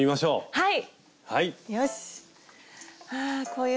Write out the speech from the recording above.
はい。